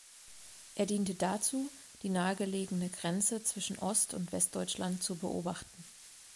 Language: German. Er diente dazu, die nahe gelegene Grenze zwischen Ost- und Westdeutschland zu beobachten.